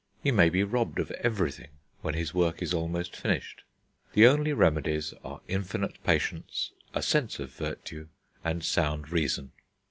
He may be robbed of everything when his work is almost finished. The only remedies are infinite patience, a sense of virtue, and sound reason.